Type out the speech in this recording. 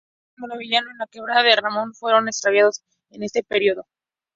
Mastodontes como el hallado en la Quebrada de Ramón fueron exterminados en este periodo.